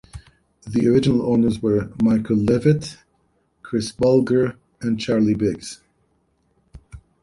The original owners were Michael Levitt, Chris Bulger, and Charley Biggs.